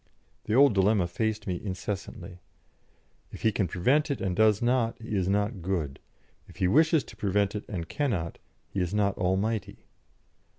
The old dilemma faced me incessantly: "If He can prevent it and does not, He is not good; if He wishes to prevent it and cannot, He is not almighty."